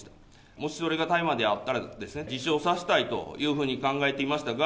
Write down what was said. もしそれが大麻であったら、自首をさせたいというふうに考えていましたが、